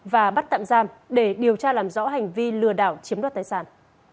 và bắt tạm giam để điều tra làm rõ hành vi lừa đảo chiếm đoạt tài sản